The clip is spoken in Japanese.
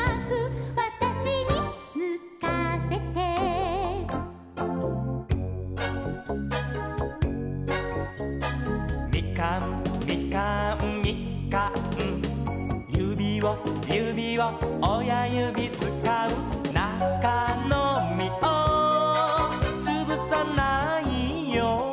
「わたしにむかせて」「みかんみかんみかん」「ゆびをゆびをおやゆびつかう」「なかのみをつぶさないように」